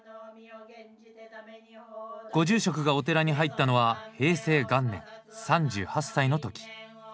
ご住職がお寺に入ったのは平成元年３８歳の時。